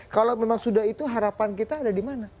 kalau memang sudah itu harapan kita ada di mana